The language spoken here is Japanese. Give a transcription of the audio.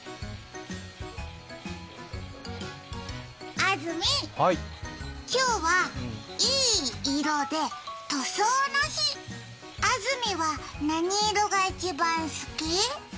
安住、今日はいい色で塗装の日、安住は何色が一番好き？